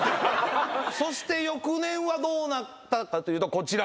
そして翌年はどうなったかというとこちら。